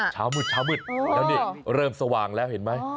เดานี้เริ่มสว่างแล้วถูกต้อง